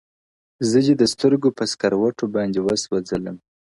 زه دې د سترگو په سکروټو باندې وسوځلم-